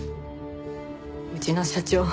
うちの社長